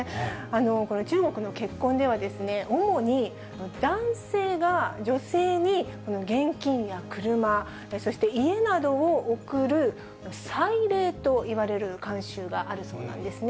この中国の結婚では、主に男性が女性に、現金や車、そして家などを贈る彩礼といわれる慣習があるそうなんですね。